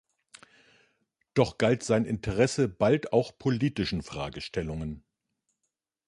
Doch galt sein Interesse bald auch politischen Fragestellungen.